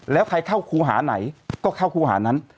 แล้วใครเข้าครูหาไหนก็เข้าครูหานั้น